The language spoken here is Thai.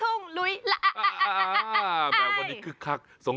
สุดยอดน้ำมันเครื่องจากญี่ปุ่น